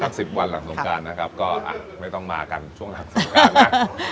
สิบวันหลังสงการนะครับก็ไม่ต้องมากันช่วงหลังสงการนะ